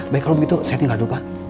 baik kalau begitu saya tinggal dulu pak